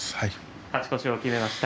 勝ち越しを決めました